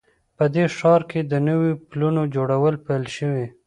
په دې ښار کې د نوو پلونو جوړول پیل شوي